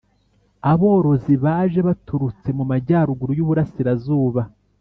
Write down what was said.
aborozi baje baturutse mu Majyaruguru y Uburasirazuba